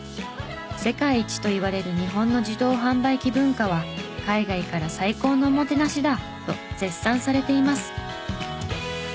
世界一といわれる日本の自動販売機文化は海外から「最高のおもてなしだ！」と絶賛されています。